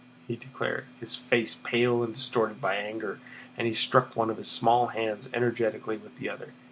he declared, his face pale and distorted by anger, and he struck one of his small hands energetically with the other.